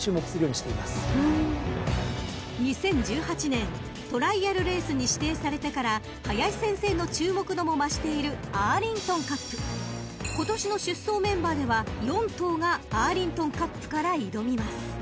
［２０１８年トライアルレースに指定されてから林先生の注目度も増しているアーリントンカップ］［今年の出走メンバーでは４頭がアーリントンカップから挑みます］